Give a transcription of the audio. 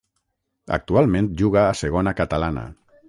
Actualment juga a Segona Catalana.